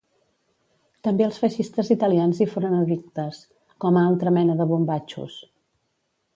També els feixistes italians hi foren addictes, com a altra mena de bombatxos